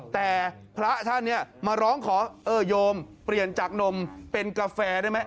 แต่พระท่านเนี่ยมาร้องขอเออโยมเปลี่ยนจากนมเป็นกาแฟได้ไหม